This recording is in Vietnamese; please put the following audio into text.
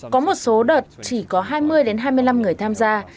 có một số đợt chỉ có hai mươi hai mươi năm người tham gia